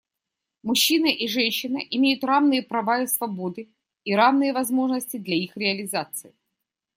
Мужчина и женщина имеют равные права и свободы и равные возможности для их реализации.